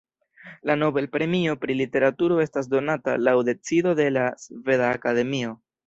La Nobel-premio pri literaturo estas donata laŭ decido de la Sveda Akademio.